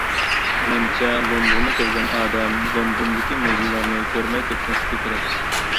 مەنچە لوندونغا كەلگەن ئادەم لوندوندىكى مۇزېيلارنى كۆرمەي كەتمەسلىكى كېرەك.